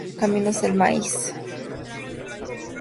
Caminos del maíz